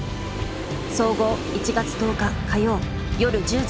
総合１月１０日火曜夜１０時。